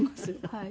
はい。